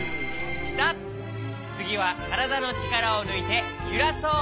つぎはからだのちからをぬいてゆらそう。